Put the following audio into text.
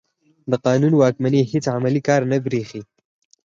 د قانون واکمني هېڅ عملي کار نه برېښي.